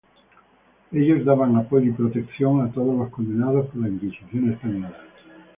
Ellos daban apoyo y protección todos los condenados por la Inquisición española.